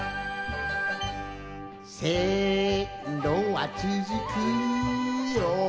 「せんろはつづくよ